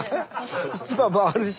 市場もあるし。